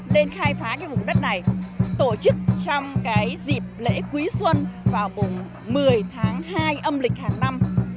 lên khai phá vùng đất này tổ chức trong dịp lễ quý xuân vào một mươi tháng hai âm lịch hàng năm